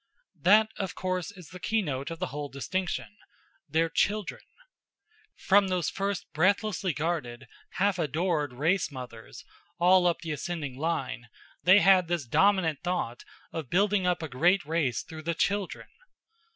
That, of course, is the keynote of the whole distinction their children. From those first breathlessly guarded, half adored race mothers, all up the ascending line, they had this dominant thought of building up a great race through the children.